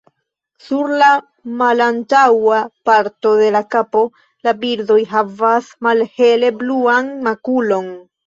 Sur la malantaŭa parto de la kapo la birdoj havas malhele bluan makulon.